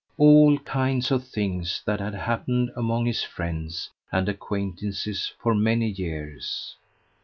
all kinds of things that had happened among his friends and acquaintances for many years.